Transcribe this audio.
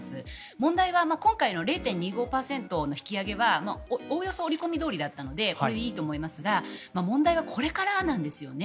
問題は今回の０．２５％の引き上げはおよそ織り込みどおりだったのでこれでいいと思いますが問題はこれからなんですよね。